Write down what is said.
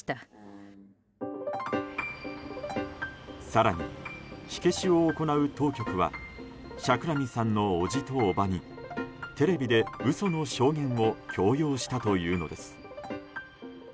更に、火消しを行う当局はシャクラミさんのおじとおばにテレビで嘘の証言を強要したというのです。